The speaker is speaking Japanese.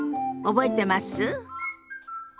覚えてます？